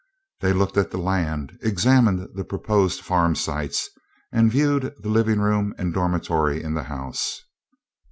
They looked at the land, examined the proposed farm sites, and viewed the living room and dormitory in the house.